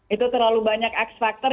itu terlalu banyak ax factor